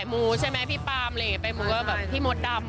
อยู่น้ะสัมภาษณ์ไปสัมภาษณ์มา